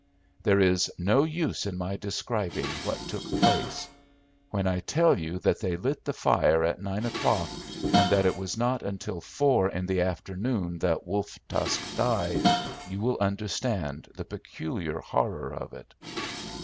"There is no use in my describing what took place. When I tell you that they lit the fire at nine o'clock, and that it was not until four in the afternoon that Wolf Tusk died, you will understand the peculiar horror of it.